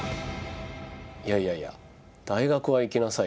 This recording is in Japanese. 「いやいやいや大学は行きなさいよ」。